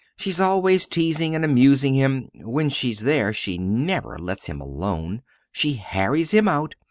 "She's always teasing and amusing him. When she's there she never lets him alone. She harries him out.